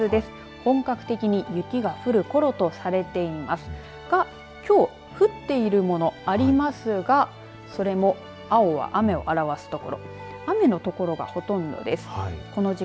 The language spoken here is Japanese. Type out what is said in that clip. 本格的に雪が降るころとされていますがきょう降っているものありますがそれも青は雨を表す所。